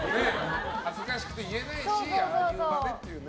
恥ずかしくて言えないしああいう場でっていうね。